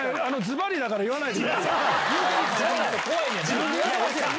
自分で言うてますやん！